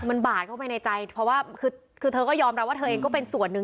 มันบาดเข้าไปในใจเพราะว่าคือเธอก็ยอมรับว่าเธอเองก็เป็นส่วนหนึ่ง